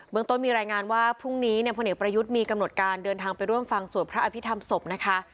เมืองต้นมีรายงานว่าพรุ่งนี้เนี่ยพลเอกประยุทธ์มีกำหนดการเดินทางไปร่วมฟังสวดพระอภิษฐรรมศพนะคะ